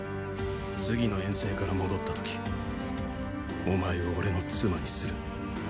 次の遠征から戻った時ーーお前を俺の妻にする。